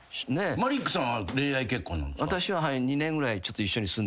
マリックさんは恋愛結婚ですか？